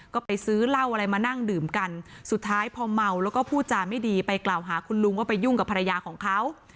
ก็ไปซื้อเหล้าอะไรมานั่งดื่มกันสุดท้ายพอเมาแล้วก็พูดจาไม่ดีไปกล่าวหาคุณลุงว่าไปยุ่งกับภรรยาของเขา